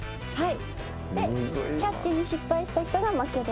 でキャッチに失敗した人が負けです。